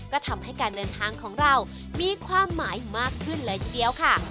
ก็ทำให้การเดินทางของเรามีความหมายมากขึ้นเลยทีเดียวค่ะ